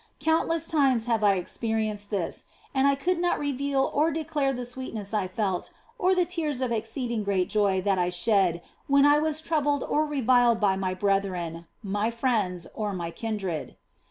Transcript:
Countless times have I experienced this, and I could not reveal or declare the sweetness I felt or the tears of exceeding great joy that I shed when I was troubled or reviled by my brethren, my friends, or my kindred.